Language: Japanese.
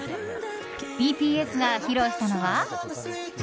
ＢＴＳが披露したのは。